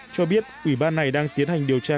cho biết ủy ban này đang tiến hành điều tra